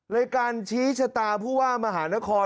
ในการชี้ชะตาผู้ว่ามหานคร